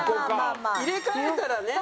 入れ替えたらね。